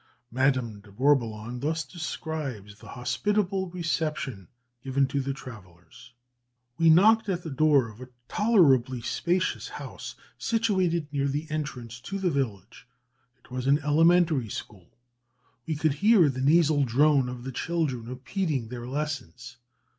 Madame de Bourboulon thus describes the hospitable reception given to the travellers: "We knocked at the door of a tolerably spacious house, situated near the entrance to the village: it was an elementary school; we could hear the nasal drone of the children repeating their lessons.